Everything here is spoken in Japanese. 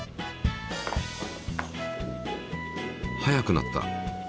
速くなった。